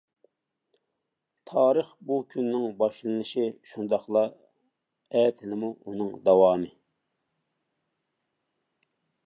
تارىخ بۈگۈننىڭ باشلىنىشى شۇنداقلا ئەتىنىمۇ ئۇنىڭ داۋامى.